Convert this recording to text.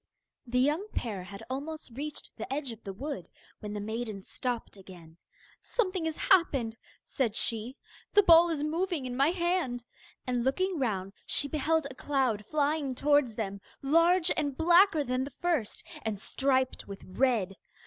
The young pair had almost reached the edge of the wood, when the maiden stopped again. 'Something has happened,' said she. 'The ball is moving in my hand,' and looking round she beheld a cloud flying towards them, large and blacker than the first, and striped with red.